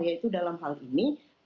yaitu dalam hal ini